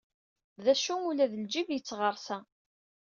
D acu, ula d lǧib yettɣersa.